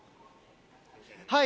はい。